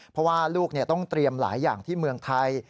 เพราะว่าลูกต้องเตรียมหลายอย่างที่เมืองไทย